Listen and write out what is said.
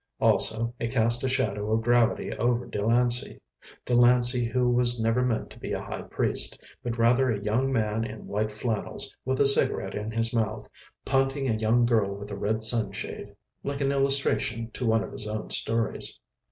Also, it cast a shadow of gravity over Delancey Delancey who was never meant to be a high priest, but rather a young man in white flannels, with a cigarette in his mouth, punting a young girl with a red sunshade like an illustration to one of his own stories.